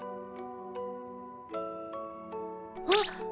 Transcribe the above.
あっ。